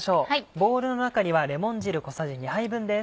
ボウルの中にはレモン汁小さじ２杯分です。